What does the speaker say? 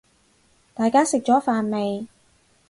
大家食咗飯未